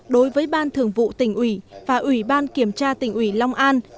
đối với ban thường vụ tỉnh ủy và ủy ban kiểm tra tỉnh ủy long an